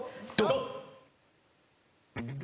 ドン！